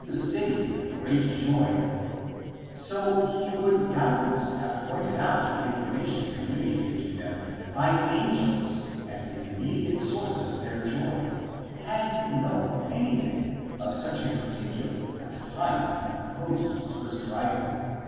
the city with great joy: so he would doubtless have pointed out the information communicated to them by angels as the immediate source of their joy, had he known anything of such a particular at the time when he com posed his first writing.